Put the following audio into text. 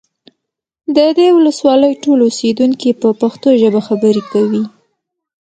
د دې ولسوالۍ ټول اوسیدونکي په پښتو ژبه خبرې کوي